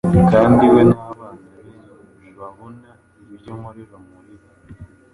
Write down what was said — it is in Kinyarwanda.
Kandi we n’abana be nibabona ibyo nkorera muri bo,